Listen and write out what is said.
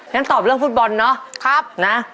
งั้นตอบเรื่องฟุตบอลเนาะ